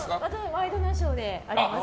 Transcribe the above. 「ワイドナショー」であります。